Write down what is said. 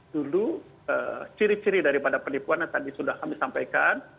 dulu ciri ciri daripada penipuan yang tadi sudah kami sampaikan